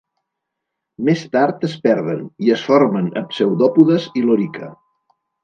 Més tard es perden, i es formen pseudòpodes i lorica.